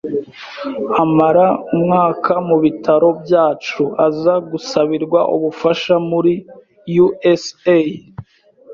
amara umwaka mu bitaro byacu, aza gusabirwa ubufasha muri USA,